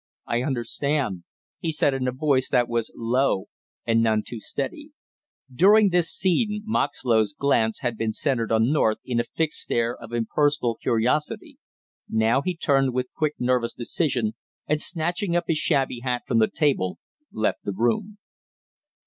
"I understand," he said in a voice that was low and none too steady. During this scene Moxlow's glance had been centered on North in a fixed stare of impersonal curiosity, now he turned with quick nervous decision and snatching up his shabby hat from the table, left the room.